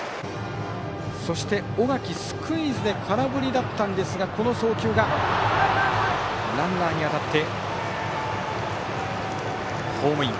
そして、小垣スクイズで空振りだったんですがこの送球がランナーに当たってホームイン。